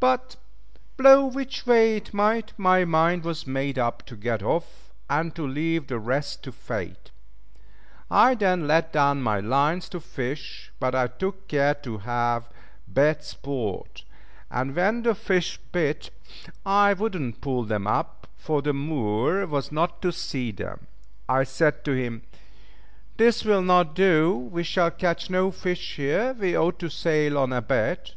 But, blow which way it might, my mind was made up to get off, and to leave the rest to fate. I then let down my lines to fish, but I took care to have bad sport; and when the fish bit, I would not pull them up, for the Moor was not to see them. I said to him, "This will not do, we shall catch no fish here, we ought to sail on a bit."